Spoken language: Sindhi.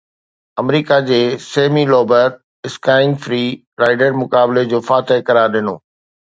آمريڪا جي سيمي لوبر اسڪائينگ فري رائيڊ مقابلي جو فاتح قرار ڏنو